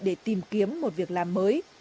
để tìm kiếm một việc làm mới